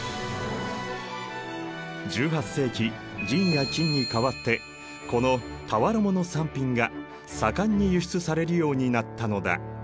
１８世紀銀や金に代わってこの俵物三品が盛んに輸出されるようになったのだ。